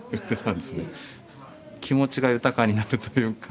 気持ちが豊かになるというか。